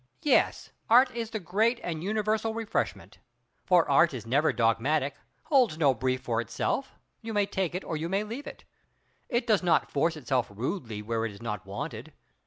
Yes, Art is the great and universal refreshment. For Art is never dogmatic; holds no brief for itself you may take it or you may leave it. It does not force itself rudely where it is not wanted.